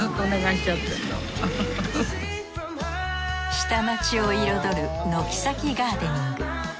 下町を彩る軒先ガーデニング。